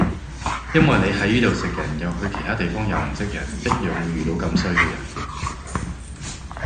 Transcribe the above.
因為你喺呢度食人去到其他地方又唔識人一樣會遇到咁衰嘅人